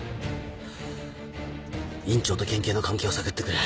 院長と県警の関係を探ってくれ。